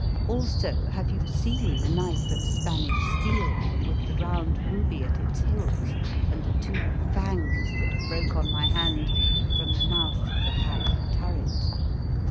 Also have you seen the knife of Span ish steel with the round ruby at its hilt and the two fangs that broke on my hand from the mouth of the Hag of Turret?